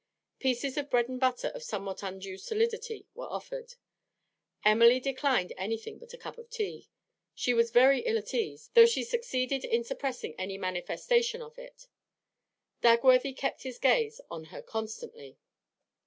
Pieces of bread and butter of somewhat undue solidity were offered. Emily 'declined anything but the cup of tea. She was very ill at ease, though she succeeded in suppressing any manifestation of it; Dagworthy kept his gaze on her constantly.